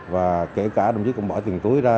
và kể cả đồng chí cũng bỏ tiền túi ra